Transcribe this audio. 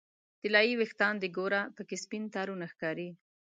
طلایې ویښان دې ګوره پکې سپین تارونه ښکاري